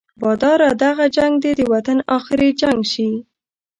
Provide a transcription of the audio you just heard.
باداره دغه جنګ دې د وطن اخري جنګ شي.